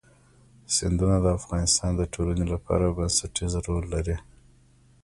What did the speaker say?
سیندونه د افغانستان د ټولنې لپاره بنسټيز رول لري.